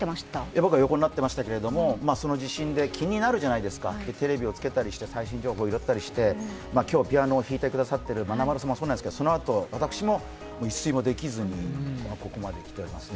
僕は横になっていましたけれども、その地震で、気になるじゃないですか、テレビをつけたりして最新情報を拾って今日、ピアノを弾いてくださっているまなまるさんもそうなんですがそのあと、私も一睡もできずにここまで来ていますね。